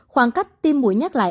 khoảng cách tiêm mũi nhắc lại